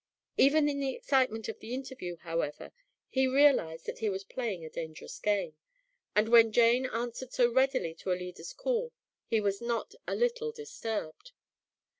Even in the excitement of the interview, however, he realized that he was playing a dangerous game, and when Jane answered so readily to Alida's call he was not a little disturbed.